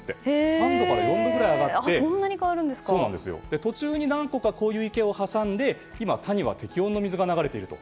３度から４度くらい上がって途中に何個かこういう池を挟んで今、田には適温の水が流れていると。